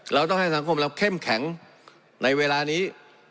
เราต้องให้สังคมเราเข้มแข็งในเวลานี้